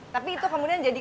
tapi itu kemudian jadi